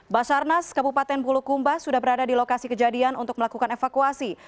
basarnas kabupaten bulukumba sudah berada di lokasi kejadian untuk melakukan evakuasi